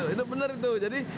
itu bener itu